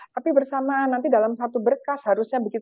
tapi bersama nanti dalam satu berkas harusnya